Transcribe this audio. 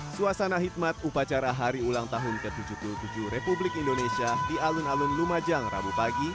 suasana hikmat upacara hari ulang tahun ke tujuh puluh tujuh republik indonesia di alun alun lumajang rabu pagi